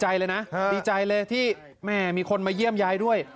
ตลอดใจเลยที่ทุกคนมาย่วงยายด้วย